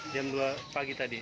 jam dua pagi tadi